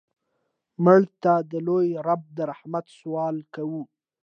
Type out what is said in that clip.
مړه ته د لوی رب د رحمت سوال کوو